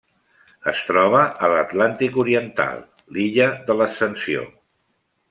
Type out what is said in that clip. Es troba a l'Atlàntic oriental: l'illa de l'Ascensió.